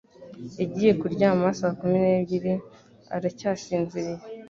Yagiye kuryama saa kumi n'ebyiri aracyasinziriye.